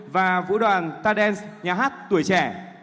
và vũ đoàn tardenz nhà hát tuổi trẻ